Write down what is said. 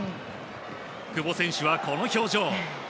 久保選手はこの表情。